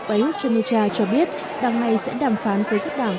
prayuth chan no cha cho biết đằng này sẽ đàm phán với các đảng